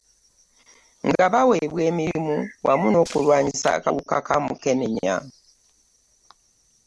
Nga baweebwa emirimu wamu n'Okulwanyisa akawuka ka Mukenenya.